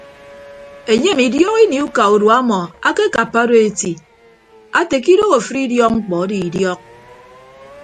Enyem idiok ini uka urua ọmọ akekappa odo eti ate ke idooho afịd idiọk mkpọ ado idiọk.